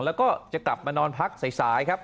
แล้วก็จะกลับมานอนพักสายครับ